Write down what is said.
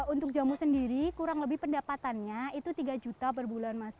untuk jamu sendiri kurang lebih pendapatannya itu tiga juta per bulan mas